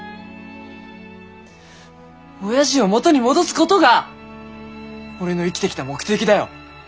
おやじを元に戻すごどが俺の生きてきた目的だよ。